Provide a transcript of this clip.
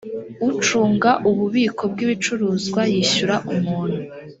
ucunga ububiko bw ibicuruzwa yishyura umuntu